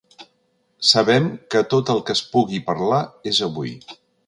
Sabem que tot el que es pugui parlar és avui.